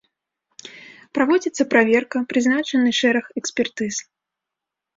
Праводзіцца праверка, прызначаны шэраг экспертыз.